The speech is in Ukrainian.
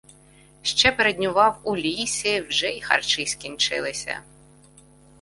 Ще переднював у лісі, вже й харчі скінчилися.